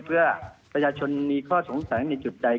เพื่อประชาชนมีข้อสงสัยในจุดใด